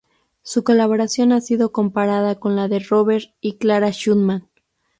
Su colaboración ha sido comparada con la de Robert y Clara Schumann.